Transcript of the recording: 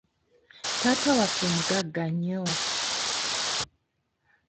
Taata waffe mugagga nnyo.